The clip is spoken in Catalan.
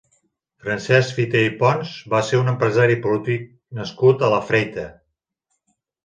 Francesc Fité i Pons va ser un empresari i polític nascut a La Freita.